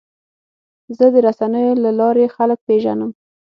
زه د رسنیو له لارې خلک پیژنم.